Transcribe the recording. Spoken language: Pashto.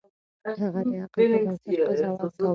هغه د عقل پر بنسټ قضاوت کاوه.